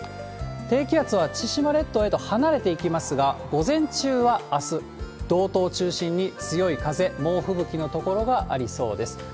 低気圧は千島列島へと離れていきますが、午前中はあす、道東を中心に強い風、猛吹雪の所がありそうです。